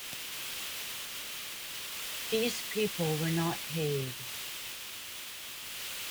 These people were not paid.